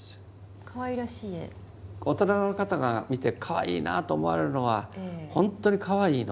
大人の方が見てかわいいなと思われるのはほんとにかわいいの？